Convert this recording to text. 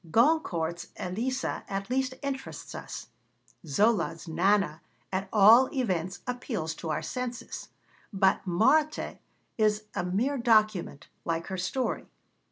Goncourt's Elisa at least interests us; Zola's Nana at all events appeals to our senses. But Marthe is a mere document, like her story.